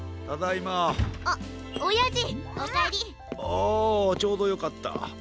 あちょうどよかった。